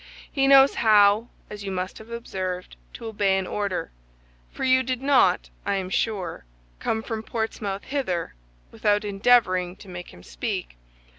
He knows how, as you must have observed, to obey an order—for you did not, I am sure, come from Portsmouth hither without endeavoring to make him speak.